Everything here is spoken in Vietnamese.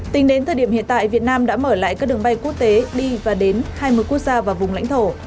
tính đến thời điểm hiện tại việt nam đã mở lại các đường bay quốc tế đi và đến hai mươi quốc gia và vùng lãnh thổ